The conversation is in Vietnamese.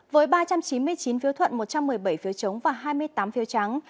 với ba trăm chín mươi chín phiếu thuận một trăm một mươi bảy phiếu chống và hai mươi tám phiếu trắng